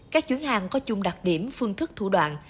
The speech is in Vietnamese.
các chuyến hàng có chung đặc điểm phương thức thủ đoạn